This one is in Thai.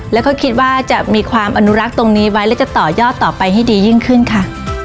แล้วก็คิดว่าจะมีความอนุรักษ์ตรงนี้ไว้และจะต่อยอดต่อไปให้ดียิ่งขึ้นค่ะ